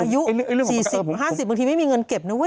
อายุ๔๐๕๐บางทีไม่มีเงินเก็บนะเว้